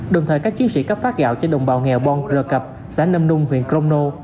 đồng thời các chiến sĩ cấp phát gạo cho đồng bào nghèo bon rờ cập xã nâm nung huyện crom nô